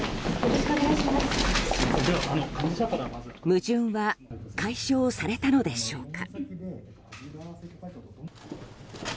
矛盾は解消されたのでしょうか？